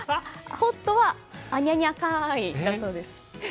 ホットはあにゃにゃかいだそうです。